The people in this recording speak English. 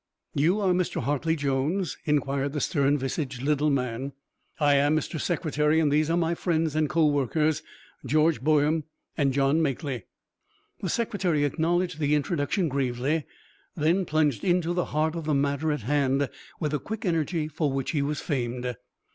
"You are Mr. Hartley Jones?" inquired the stern visaged little man. "I am, Mr. Secretary, and these are my friends and co workers, George Boehm and John Makely." The Secretary acknowledged the introduction gravely, then plunged into the heart of the matter at hand with the quick energy for which he was famed.